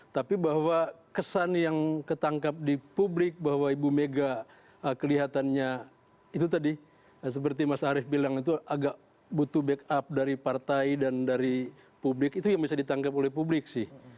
tapi bahwa kesan yang ketangkap di publik bahwa ibu mega kelihatannya itu tadi seperti mas arief bilang itu agak butuh backup dari partai dan dari publik itu yang bisa ditangkap oleh publik sih